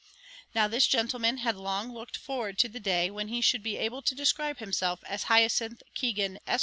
Now, this gentleman had long looked forward to the day when he should be able to describe himself as Hyacinth Keegan, Esq.